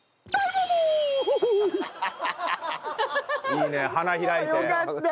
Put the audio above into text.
いいね花開いて。